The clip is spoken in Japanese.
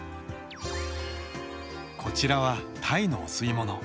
こちらは鯛のお吸い物。